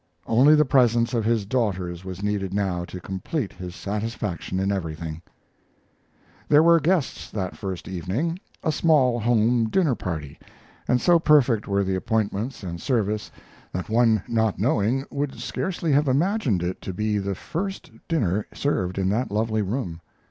Only the presence of his daughters was needed now to complete his satisfaction in everything. There were guests that first evening a small home dinner party and so perfect were the appointments and service, that one not knowing would scarcely have imagined it to be the first dinner served in that lovely room.